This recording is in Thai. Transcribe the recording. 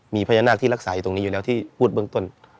มีพญานาคที่รักษาอยู่ตรงนี้อยู่แล้วที่พูดเบื้องต้น